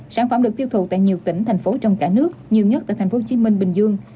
sản phẩm được tiêu thụ tại nhiều tỉnh thành phố trong cả nước nhiều nhất tại tp hcm bình dương